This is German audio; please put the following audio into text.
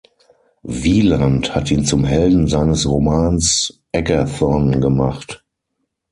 Wieland hat ihn zum Helden seines Romans "Agathon" gemacht.